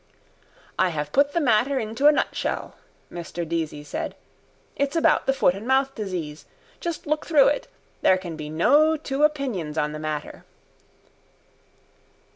—I have put the matter into a nutshell, Mr Deasy said. It's about the foot and mouth disease. Just look through it. There can be no two opinions on the matter.